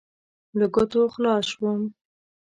له ګوتو خلاص شوم.